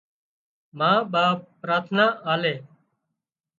ما ٻاپ پراٿنا آلي